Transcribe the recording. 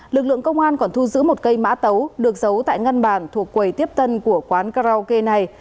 lực lượng công an còn thu giữ một cây mã tấu được giấu tại ngân bàn thuộc quầy tiếp tân của quán karaoke này